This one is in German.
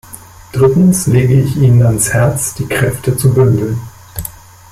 Drittens lege ich Ihnen ans Herz, die Kräfte zu bündeln.